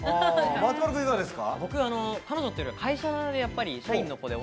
松丸さん、いかがですか？